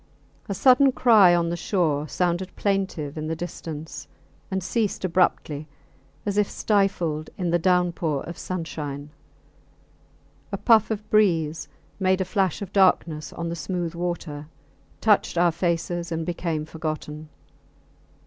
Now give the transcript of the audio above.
A sudden cry on the shore sounded plaintive in the distance, and ceased abruptly, as if stifled in the downpour of sunshine. A puff of breeze made a flash of darkness on the smooth water, touched our faces, and became forgotten.